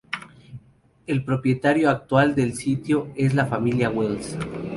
El propietario actual del sitio es la familia Wells.